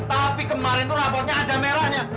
tapi kemarin tuh raportnya ada merahnya